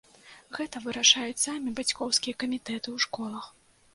Гэта вырашаюць самі бацькоўскія камітэты ў школах.